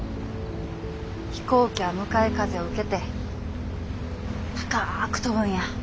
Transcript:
飛行機は向かい風を受けて高く飛ぶんや。